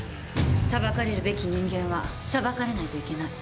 裁かれるべき人間は裁かれないといけない。